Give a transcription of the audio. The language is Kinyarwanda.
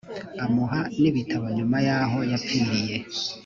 amuha n ibitabo nyuma yaho yapfirye